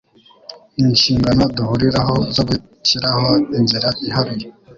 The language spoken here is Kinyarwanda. Ni inshingano duhuriraho zo gushyiraho inzira iharuye